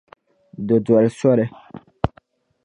Di doli soli.